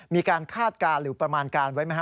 มีการคาดการณ์หรือประมาณการณ์ไว้ไหม